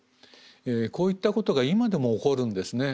こういったことが今でも起こるんですね。